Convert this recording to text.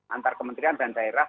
antara kementerian dan daerah